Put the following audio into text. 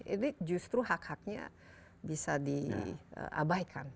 ini justru hak haknya bisa diabaikan